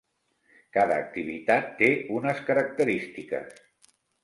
Cada activitat té unes característiques.